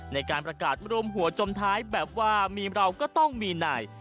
ในการประกาศรวมหัวจมท้ายแบบว่ามีเราก็ต้องมีนาย